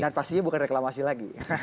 dan pastinya bukan reklamasi lagi